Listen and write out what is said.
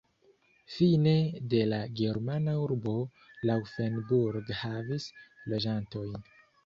Fine de la germana urbo Laufenburg havis loĝantojn.